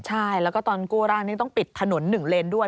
ใช่แล้วก็ตอนกู้ร่างนี้ต้องปิดถนน๑เลนด้วย